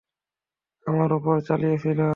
আমার উপর চালিয়েছিল।